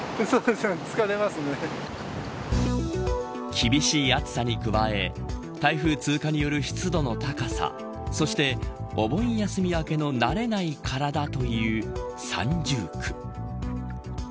厳しい暑さに加え台風通過による湿度の高さそしてお盆休み明けの慣れない体という三重苦。